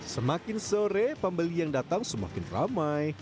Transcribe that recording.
semakin sore pembeli yang datang semakin ramai